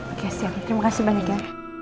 oke siap terima kasih banyak